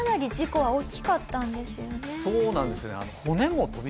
そうなんですよね。